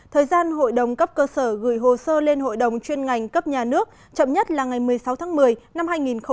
thời gian hội đồng cấp cơ sở gửi hồ sơ lên hội đồng chuyên ngành cấp nhà nước chậm nhất là ngày một mươi sáu tháng một mươi năm hai nghìn một mươi chín